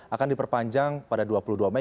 akan diperpanjang pada dua puluh dua mei